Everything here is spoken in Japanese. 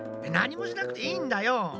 なにもしなくていいんだよ。